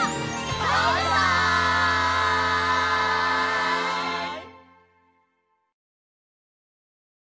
バイバイ！